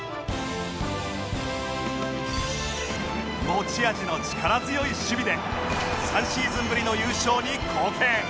持ち味の力強い守備で３シーズンぶりの優勝に貢献